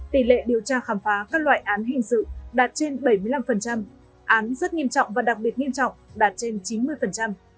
tỷ lệ điều tra khám phá các loại án hình sự đạt trên bảy mươi năm án rất nghiêm trọng và đặc biệt nghiêm trọng đạt trên chín mươi